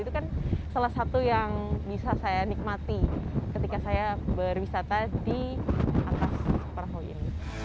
itu kan salah satu yang bisa saya nikmati ketika saya berwisata di atas perahu ini